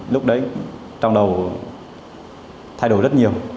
lúc đấy trong đầu thay đổi rất nhiều